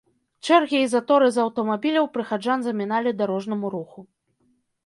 Чэргі і заторы з аўтамабіляў прыхаджан заміналі дарожнаму руху.